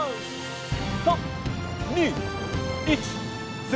３２１０